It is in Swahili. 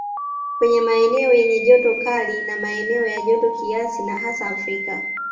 Kwenye maeneo yenye joto kali na maeneo ya joto kiasi na hasa Afrika